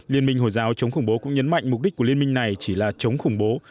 liên minh hồi giáo chống khủng bố cũng nhấn mạnh mục đích của liên minh này chỉ là chống khủng bố